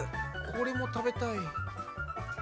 これも食べたい。